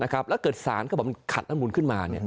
ถ้าเกิดสารมาที่คัดอ้านมูลขึ้นมา